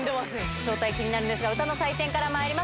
正体、気になるんですが、歌の採点からまいります。